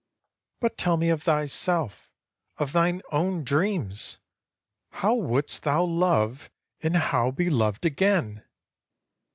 AHASUERAS But tell me of thyself, of thine own dreams! How wouldst thou love, and how be loved again?